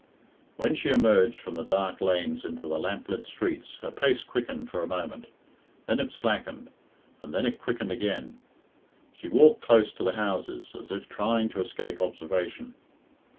When she emerged from the dark lanes into the lamplit streets her pace quickened for a moment; then it slackened, and then it quickened again. She walked close to the houses, as if trying to escape observation.